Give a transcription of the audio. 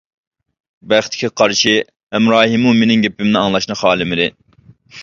بەختكە قارشى ھەمراھىممۇ مېنىڭ گېپىمنى ئاڭلاشنى خالىمىدى.